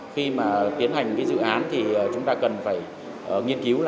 khi mà tiến hành cái dự án thì chúng ta cần phải nghiên cứu